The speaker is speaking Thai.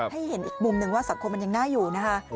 ให้เห็นอีกมุมหนึ่งว่าสังคมมันยังน่าอยู่นะคะ